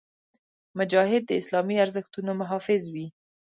مجاهد د اسلامي ارزښتونو محافظ وي.